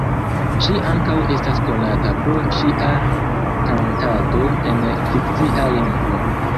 Ŝi ankaŭ estas konata pro ŝia kantado en fikcia lingvo.